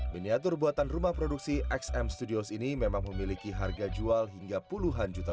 miniatur buatan rumah produksi xm studios ini memang memiliki harga jual hingga puluhan juta